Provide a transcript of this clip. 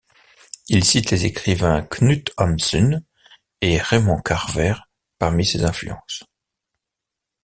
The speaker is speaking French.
Il cite les écrivains Knut Hamsun et Raymond Carver parmi ses influences.